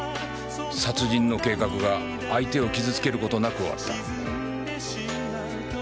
殺人の計画が相手を傷つけることなく終わった。